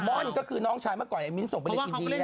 มนตร์ก็คืนน้องชายเมื่อก่อนมิ้นท์ส่งไปเรื่องดีดีา